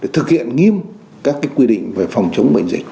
thực hiện nghiêm các quy định về phòng chống bệnh dịch